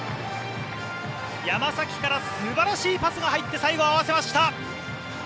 山崎からすばらしいパスが入って最後、合わせました。